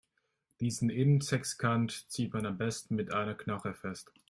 Diesen Innensechskant zieht man am besten mit einer Knarre fest.